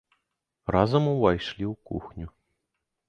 Разам увайшлі ў кухню.